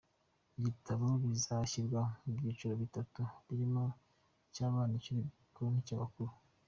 Ibitabo bizashyirwa mu byiciro bitatu birimo icy’abana, icy’urubyiruko n’icy’abakuru.